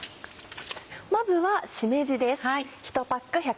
まずはしめじです。